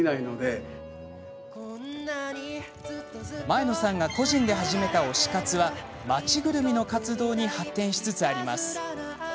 前野さんが個人で始めた推し活は町ぐるみの活動に発展しつつあります。